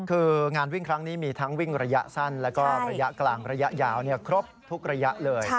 คืองานวิ่งครั้งนี้มีทั้งวิ่งระยะสั้นแล้วก็ระยะกลางระยะยาวครบทุกระยะเลย